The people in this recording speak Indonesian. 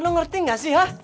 lo ngerti gak sih hah